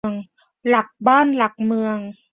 หลักบ้านหลักเมือง